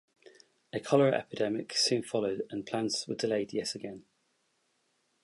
A cholera epidemic soon followed and plans were delayed yet again.